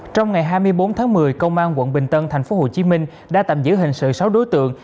trong ngày hai mươi bốn tháng một mươi công an quận bình tân tp hcm đã tạm giữ hình sự sáu đối tượng